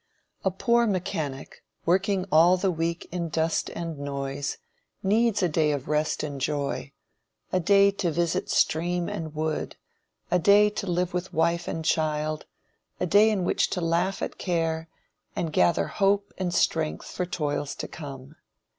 A poor mechanic, working all the week in dust and noise, needs a day of rest and joy, a day to visit stream and wood a day to live with wife and child; a day in which to laugh at care, and gather hope and strength for toils to come.